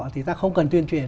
thì ta không cần tuyên truyền